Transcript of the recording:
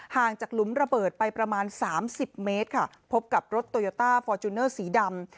ห่างจากหลุมระเบิดไปประมาณสามสิบเมตรค่ะพบกับรถโตโยต้าฟอร์จูเนอร์สีดำ